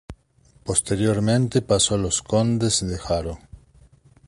Posteriormente pasó a los condes de Haro.